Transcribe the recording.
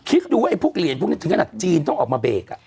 คิดดูว่าไอ้พวกเหรียญพวกนี้ถึงขนาดจีนต้องออกมาเบรก